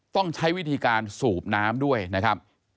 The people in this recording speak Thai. ต้องใช้วิธีการสูบน้ำด้วยนะครับ